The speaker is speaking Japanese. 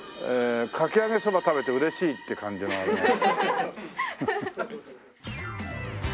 かき揚げそば食べて嬉しいっていう感じのあれだね。